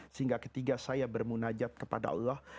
sehingga ketika saya bermunajat kepada allah